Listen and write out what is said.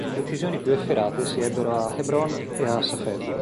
Le uccisioni più efferate si ebbero a Hebron e a Safed.